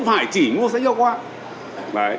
phải chỉ mua sách giáo khoa